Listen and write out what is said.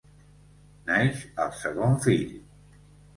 Naix el segon fill.